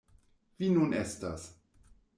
Vi nun estas.